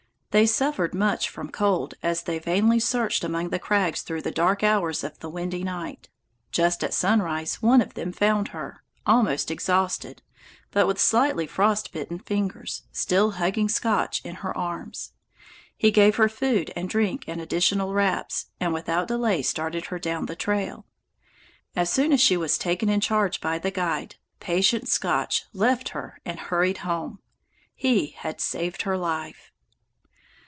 They suffered much from cold as they vainly searched among the crags through the dark hours of the windy night. Just at sunrise one of them found her, almost exhausted, but, with slightly frost bitten fingers, still hugging Scotch in her arms. He gave her food and drink and additional wraps, and without delay started with her down the trail. As soon as she was taken in charge by the guide, patient Scotch left her and hurried home. He had saved her life.